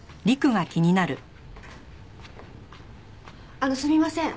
あのすみません。